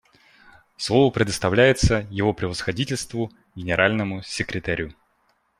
Слово предоставляется Его Превосходительству Генеральному секретарю.